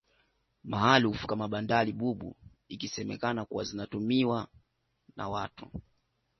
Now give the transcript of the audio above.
Maarufu kama bandari bubu ikisemekana kuwa zinatumiwa na watu